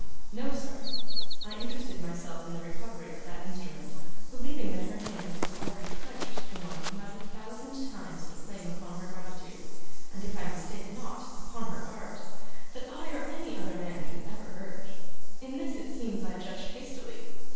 'No, sir. I interested myself in the recovery of that instrument, believing that her hand was already pledged to one who has a thousand times the claims upon her gratitude, and, if I mistake not, upon her heart, that I or any other man can ever urge. In this it seems I judged hastily.